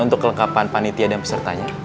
untuk kelengkapan panitia dan pesertanya